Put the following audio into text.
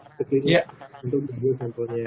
untuk klinis untuk klinis sampelnya